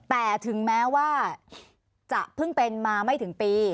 แต่ถึงแม้ว่าจะเพิ่งเป็นมาไม่ถึงปี